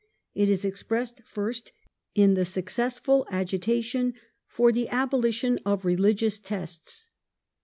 It is expressed, Abolition first, in the successful agitation for the abolition of religious " tests